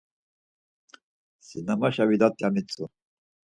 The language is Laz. Sinamaşe vidat ya mitzu.